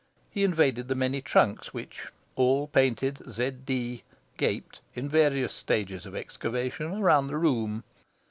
He invaded the many trunks which all painted Z. D. gaped, in various stages of excavation, around the room.